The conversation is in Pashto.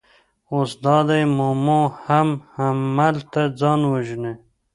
اوس دا دی مومو هم هملته ځان وژني.